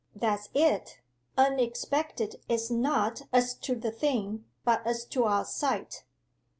'That's it. Unexpected is not as to the thing, but as to our sight.